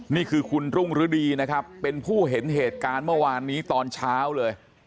นี่คือคุณรุ่งฤดีนะครับเป็นผู้เห็นเหตุการณ์เมื่อวานนี้ตอนเช้าเลย